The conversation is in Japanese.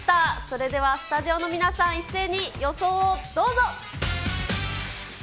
それではスタジオの皆さん、一斉に予想をどうぞ！